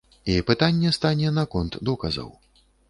І пытанне стане наконт доказаў.